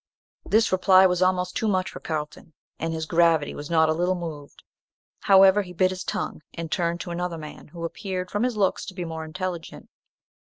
This reply was almost too much for Carlton, and his gravity was not a little moved. However, he bit his tongue, and turned to another man, who appeared, from his looks, to be more intelligent.